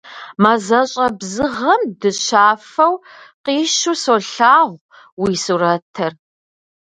Мазэщӏэ бзыгъэм дыщафэу къищу солъагъу уи сурэтыр.